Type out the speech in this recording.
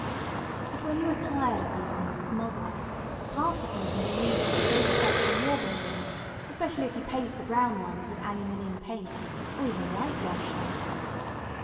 But when you are tired of these things as models, parts of them can be used with great effect in your building, especially if you paint the brown ones with aluminium paint, or even whitewash them.